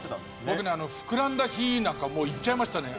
僕ね膨らんだ日なんかもう行っちゃいましたね